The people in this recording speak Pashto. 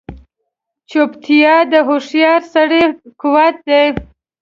چوپتیا، د هوښیار سړي قوت دی.